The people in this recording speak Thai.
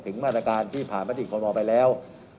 มาตรการที่ผ่านมติคอรมอลไปแล้ว